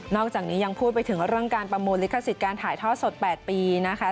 อกจากนี้ยังพูดไปถึงเรื่องการประมูลลิขสิทธิ์การถ่ายทอดสด๘ปีนะคะ